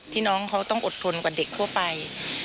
น้องเขาต้องอดทนกว่าเด็กทั่วไป